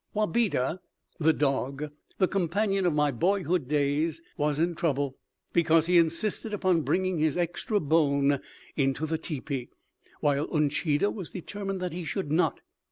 Wabeda, the dog, the companion of my boyhood days, was in trouble because he insisted upon bringing his extra bone into the teepee, while Uncheedah was determined that he should not.